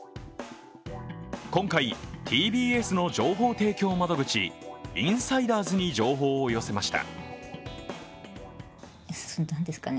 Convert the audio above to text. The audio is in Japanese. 今回、ＴＢＳの情報提供窓口、インサイダーズに情報を寄せました。